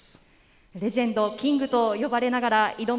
レジェンド、キングと呼ばれながら挑む